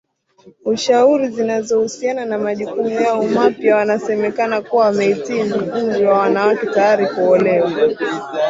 ushauri zinazohusiana na majukumu yao mapya wanasemekana kuwa wamehitimu umri wa wanawake tayari kuolewa